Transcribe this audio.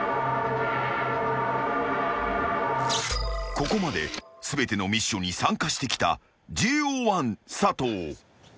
［ここまで全てのミッションに参加してきたＪＯ１佐藤］